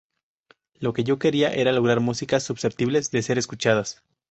Lo que yo quería era lograr músicas susceptibles de ser escuchadas.